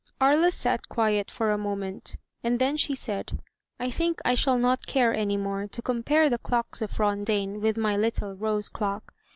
Aria sat quiet for a moment, and then she said: "I think I sljall not care any more to compare the clocks of Rondaine with my little rose clock.